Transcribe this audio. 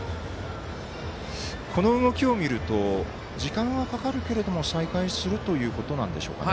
この動きを見ると時間はかかるけれども再開するということなんでしょうかね。